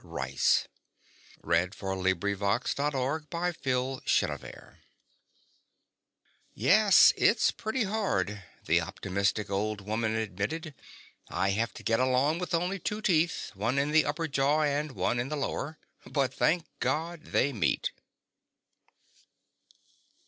_ [Illustration: GRANTLAND RICE] "MIGHT HAVE BEEN" "Yes, it's pretty hard," the optimistic old woman admitted. "I have to get along with only two teeth, one in the upper jaw and one in the lower but thank God, they meet."